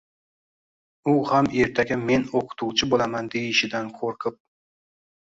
U ham ertaga men o‘qituvchi bo‘laman deyishidan qo‘rqib